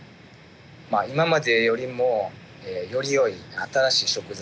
今までよりもよりよい新しい食材。